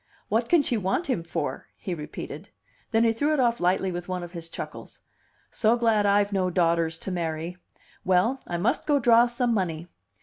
"What can she want him for?" he repeated. Then he threw it off lightly with one of his chuckles. "So glad I've no daughters to marry! Well I must go draw some money."